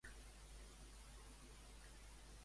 El Wendigo sap com s'anomenen les víctimes?